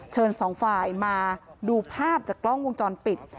สองฝ่ายมาดูภาพจากกล้องวงจรปิด